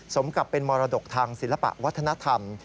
สมกับเป็นมรดกทางศิลปะวัฒนธรรม